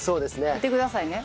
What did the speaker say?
見てくださいね。